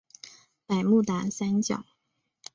百慕达三角。